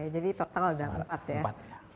jadi total ada empat ya